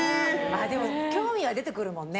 でも、興味は出てくるもんね。